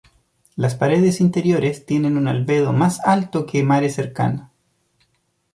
Las paredes interiores tienen un albedo más alto que mare cercano.